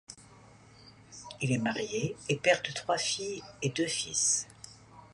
Il est marié et père de trois filles et deux fils.